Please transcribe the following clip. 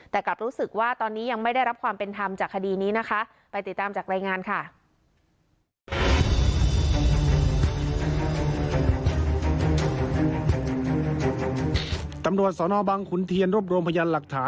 แต่กลับรู้สึกว่าตอนนี้ยังไม่ได้รับความเป็นธรรมจากคดีนี้นะคะ